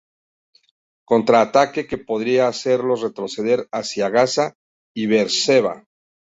Contraataque que podría hacerlos retroceder hacia Gaza y Beerseba.